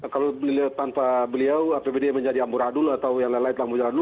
kalau tanpa beliau apbd menjadi amburadul atau yang lain lain